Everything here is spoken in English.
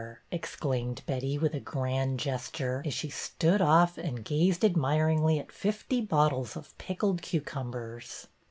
'' exclaimed Betty, with a grand I gesture, as she stood off and gazed admiringly at fifty bottles of pickled cucumbers.